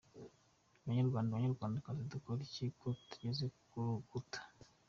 Banyarwanda banyarwandakazi, dukore iki ko tugeze ku rukuta?